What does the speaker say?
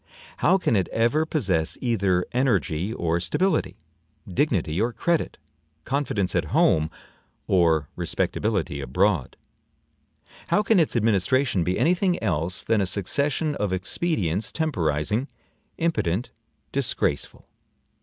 How can it ever possess either energy or stability, dignity or credit, confidence at home or respectability abroad? How can its administration be any thing else than a succession of expedients temporizing, impotent, disgraceful?